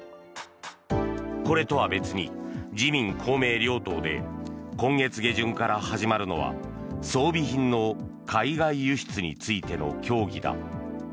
これとは別に自民・公明両党で今月下旬から始まるのは装備品の海外輸出についての協議だ。